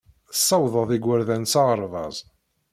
Tessawḍeḍ igerdan s aɣerbaz.